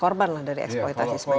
korban lah dari eksploitasi semacam ini